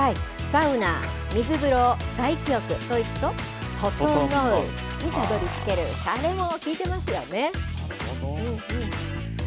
サウナ、水風呂、外気浴といくと、ととのうにたどりつける、しゃれも効いてますよね。